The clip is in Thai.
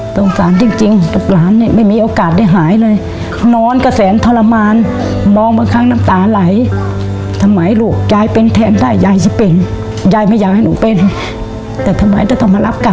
สงสารจริงกับหลานเนี่ยไม่มีโอกาสได้หายเลยนอนกระแสนทรมานมองบางครั้งน้ำตาไหลทำไมลูกยายเป็นแทนได้ยายจะเป็นยายไม่อยากให้หนูเป็นแต่ทำไมจะต้องมารับกัน